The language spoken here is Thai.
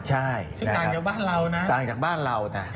ใช่ซึ่งต่างจากบ้านเรานะต่างจากบ้านเรานะ